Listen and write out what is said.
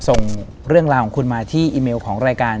ส่งเรื่องราวของคุณมาที่อีเมลของรายการ